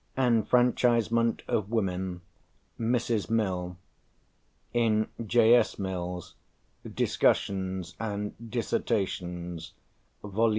("Enfranchisement of Women," Mrs. Mill. In J. S. Mill's "Discussions and Dissertations," Vol.